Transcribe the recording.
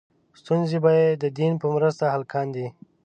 ستونزې به یې د دین په مرسته حل کاندې.